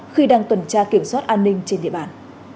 khi đang tuần tra kiểm soát an ninh trên địa bàn